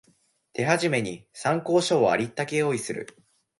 手始めに参考書をありったけ用意する